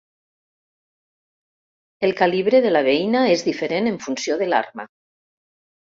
El calibre de la beina és diferent en funció de l'arma.